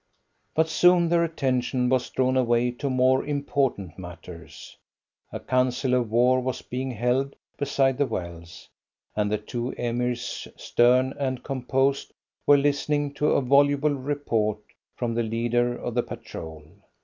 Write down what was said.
But soon their attention was drawn away to more important matters. A council of war was being held beside the wells, and the two Emirs, stern and composed, were listening to a voluble report from the leader of the patrol.